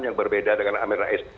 yang berbeda dengan amin rais